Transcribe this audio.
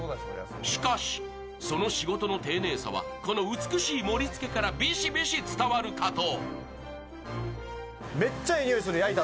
しかし、その仕事の丁寧さは、この美しい盛りつけからびしびし伝わるかと。